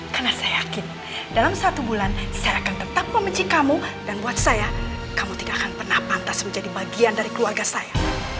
karena saya yakin dalam satu bulan saya akan tetap membenci kamu dan buat saya kamu tidak akan pernah pantas menjadi bagian dari keluarga saya